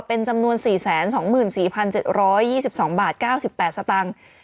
เป็นจำนวนสี่แสนสองหมื่นสี่พันเจ็ดร้อยยี่สิบสองบาทเก้าสิบแปดสตังค์